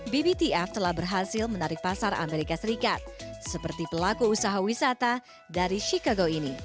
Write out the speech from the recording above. bbtf telah berhasil menarik pasar amerika serikat seperti pelaku usaha wisata dari chicago ini